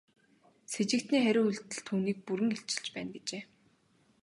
Сэжигтний хариу үйлдэл түүнийг бүрэн илчилж байна гэжээ.